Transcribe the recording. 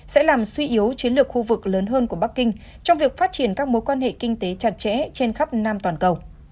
sẽ làm suy yếu chiến lược khu vực lớn hơn của bắc kinh trong việc phát triển các mối quan hệ kinh tế chặt chẽ trên khắp nam toàn cầu